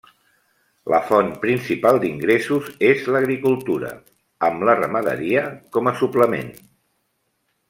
La font principal d'ingressos és l'agricultura, amb la ramaderia com a suplement.